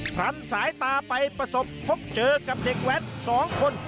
พันสายตาไปประสบพบเจอกับเด็กแว้น๒คน